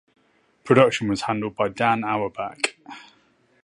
Production was handled by Dan Auerbach.